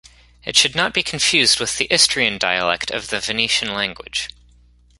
It should not be confused with the Istrian dialect of the Venetian language.